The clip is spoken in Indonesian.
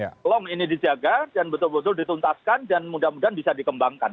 kalau ini dijaga dan betul betul dituntaskan dan mudah mudahan bisa dikembangkan